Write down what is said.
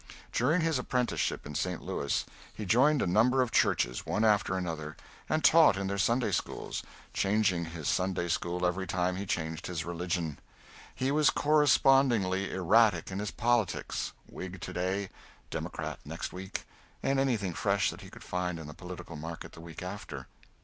During his apprenticeship in St. Louis he joined a number of churches, one after another, and taught in their Sunday schools changing his Sunday school every time he changed his religion. He was correspondingly erratic in his politics Whig to day, Democrat next week, and anything fresh that he could find in the political market the week after.